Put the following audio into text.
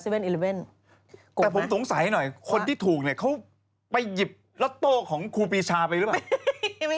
แต่ผมสงสัยหน่อยคนที่ถูกเนี่ยเขาไปหยิบล็อตโต้ของครูปีชาไปหรือเปล่า